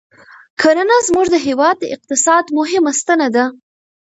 کرنه زموږ د هېواد د اقتصاد مهمه ستنه ده